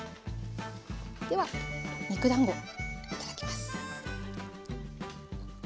では肉だんごいただきます。